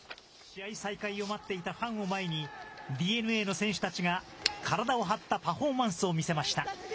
試合再開を待っていたファンを前に、ＤｅＮＡの選手たちが、体を張ったパフォーマンスを見せました。